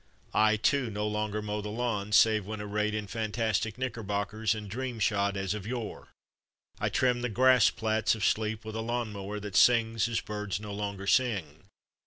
I, too, no longer mow the lawn save when arrayed in fantastic knickerbockers and dream shod as of yore I trim the grass plats of sleep with a lawn mower that sings as birds no longer sing.